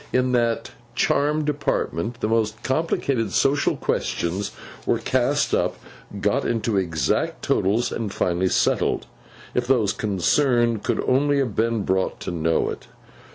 In that charmed apartment, the most complicated social questions were cast up, got into exact totals, and finally settled—if those concerned could only have been brought to know it.